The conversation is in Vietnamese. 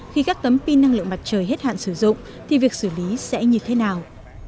khi các tấm pin năng lượng mặt trời hết hạn sử dụng thì việc xử lý sẽ như thế nào